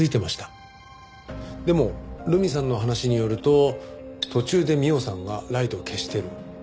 でも留美さんの話によると途中で美緒さんがライトを消している。